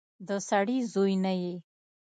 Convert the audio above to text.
د سړي زوی نه يې.